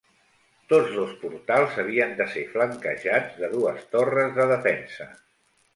Tots dos portals havien de ser flanquejats de dues torres de defensa.